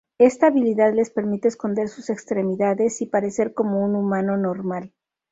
Esta habilidad les permite esconder sus extremidades y parecer como un humano normal.